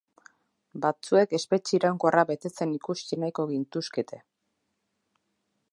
Batzuek espetxe iraunkorra betetzen ikusi nahiko gintuzkete!